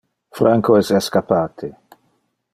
Franco es escappate.